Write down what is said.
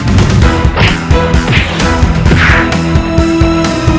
lufthansa bukan kamu